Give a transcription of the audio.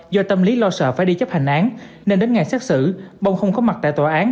do tâm lý lo sợ phải đi chấp hành án nên đến ngày xét xử bông không có mặt tại tòa án